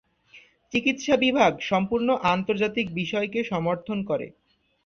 চিকিৎসা বিভাগ সম্পূর্ণ আন্তর্জাতিক বিষয়কে সমর্থন করে।